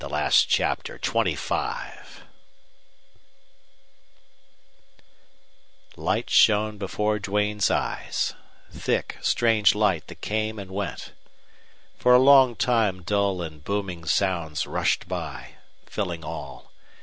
fading... CHAPTER XXV Light shone before Duane's eyes thick, strange light that came and went. For a long time dull and booming sounds rushed by, filling all.